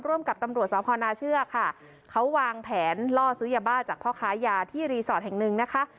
กับตำรวจสพนาเชือกค่ะเขาวางแผนล่อซื้อยาบ้าจากพ่อค้ายาที่รีสอร์ทแห่งหนึ่งนะคะ